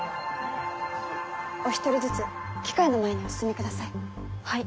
お一人ずつ機械の前にお進みください。